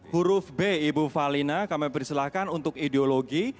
huruf b ibu falina kami persilahkan untuk ideologi